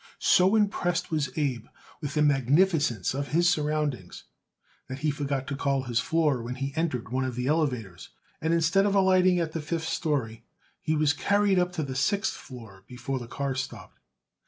So impressed was Abe with the magnificence of his surroundings that he forgot to call his floor when he entered one of the elevators, and instead of alighting at the fifth story he was carried up to the sixth floor before the car stopped.